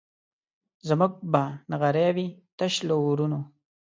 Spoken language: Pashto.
زموږ به نغري وي تش له اورونو